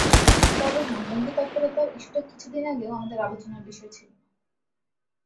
তবে হ্যাঁ, জঙ্গি তৎপরতার ইস্যুটা কিছুদিন আগেও আমাদের আলোচনার বিষয় ছিল না।